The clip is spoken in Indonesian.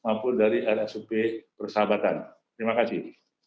maupun dari rsup persahabatan terima kasih